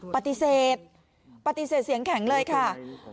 ปฏิเสธปฏิเสธเสียงแข็งเลยค่ะ